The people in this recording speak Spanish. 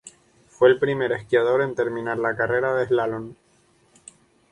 Fue el primer esquiador en terminar la carrera de eslalon.